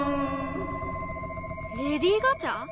レディー・ガチャ？